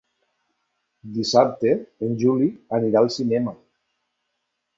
Dissabte en Juli anirà al cinema.